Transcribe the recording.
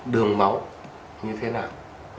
đường máu như thế nào